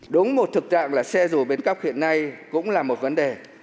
đúng một thực trạng là xe rùa biến cấp hiện nay cũng là một vấn đề